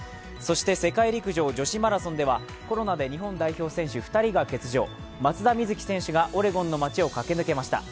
世界陸上女子マラソンではコロナで２人が欠場、松田瑞生選手がオレゴンの街を駆け抜けました。